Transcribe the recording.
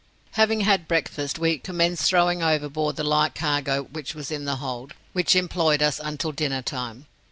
"Having had breakfast, we commenced throwing overboard the light cargo which was in the hold, which employed us until dinnertime.